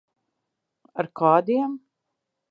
Ar kādiem?